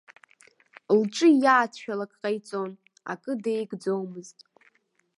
Лҿы иааҭшәалак ҟаиҵон, акы деигӡомызт.